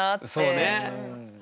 そうね。